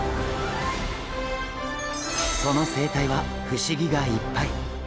その生態は不思議がいっぱい。